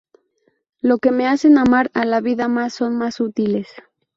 Los que me hacen amar a la vida mas son más útiles.